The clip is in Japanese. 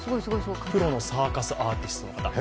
プロのサーカスアーティストの方。